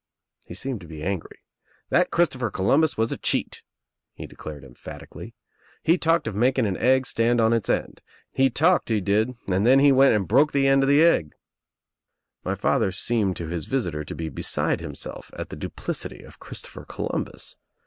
He seemed to be angry. "That Christopher Columbus was a cheat," he declared emphatically. "He talked of making an egg stand on its end. He talked, he did, and then he went and broke the end of the egg." TH E EGG 59 My father seemed to his visitor to be beside himself at the duplicity of Christopher Columbus.